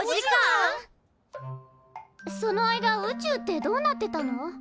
その間宇宙ってどうなってたの？